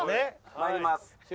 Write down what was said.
参ります。